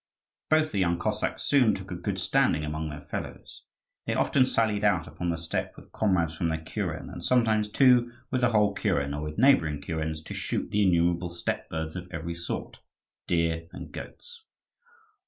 Both the young Cossacks soon took a good standing among their fellows. They often sallied out upon the steppe with comrades from their kuren, and sometimes too with the whole kuren or with neighbouring kurens, to shoot the innumerable steppe birds of every sort, deer, and goats.